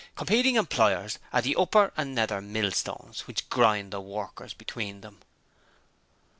Competing employers are the upper and nether millstones which grind the workers between them.'